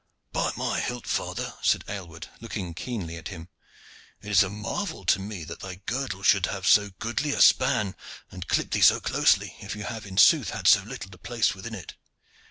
"By my hilt! father," said Aylward, looking keenly at him, "it is a marvel to me that thy girdle should have so goodly a span and clip thee so closely, if you have in sooth had so little to place within it."